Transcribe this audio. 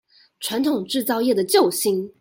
傳統製造業的救星